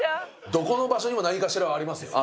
どこの場所にも何かしらはありますよね。